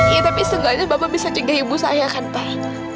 iya tapi setengahnya bapak bisa jaga ibu saya kan pak